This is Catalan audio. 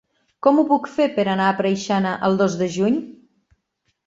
Com ho puc fer per anar a Preixana el dos de juny?